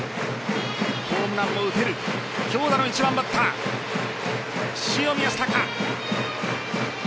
ホームランも打てる強打の１番バッター塩見泰隆。